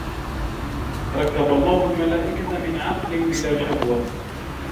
رَكَّبَ اللَّهُ الْمَلَائِكَةَ مِنْ عَقْلٍ بِلَا شَهْوَةٍ